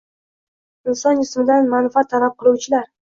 inson jismidan manfaat talab qiluvchilar